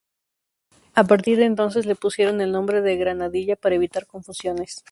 A partir de entonces le pusieron el nombre de Granadilla para evitar confusiones.